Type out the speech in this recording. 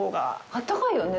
あったかいよね。